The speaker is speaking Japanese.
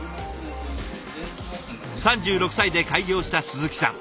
３６歳で開業した鈴木さん。